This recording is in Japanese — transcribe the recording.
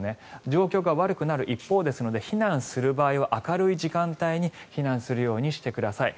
状況が悪くなる一方ですので避難する場合は明るい時間帯に避難するようにしてください。